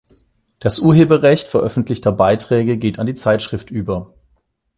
Das Urheberrecht veröffentlichter Beiträge geht an die Zeitschrift über.